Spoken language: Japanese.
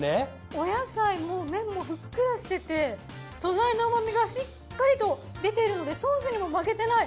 お野菜も麺もふっくらしてて素材の旨味がしっかりと出てるのでソースにも負けてない。